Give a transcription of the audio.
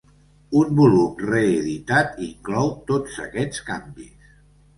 Un volum reeditat inclou tots aquests canvis.